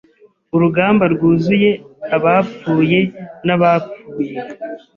Urugamba rwuzuye abapfuye n'abapfuye.